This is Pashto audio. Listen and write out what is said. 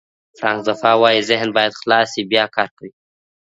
فرانک زفا وایي ذهن باید خلاص شي بیا کار کوي.